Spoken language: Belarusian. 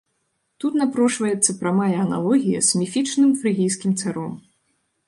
Тут напрошваецца прамая аналогія з міфічным фрыгійскім царом.